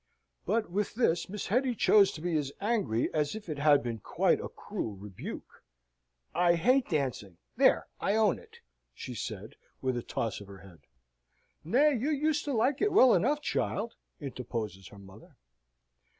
But with this Miss Hetty chose to be as angry as if it had been quite a cruel rebuke. "I hate dancing there I own it," she says, with a toss of her head. "Nay, you used to like it well enough, child!!" interposes her mother.